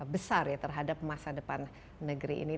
besar ya terhadap masa depan negeri ini